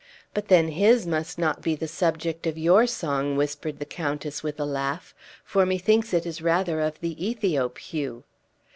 "But then his must not be the subject of your song," whispered the countess with a laugh, "for methinks it is rather of the Ethiop hue!"